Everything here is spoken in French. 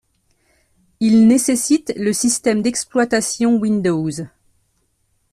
Il nécessite le système d'exploitation Windows.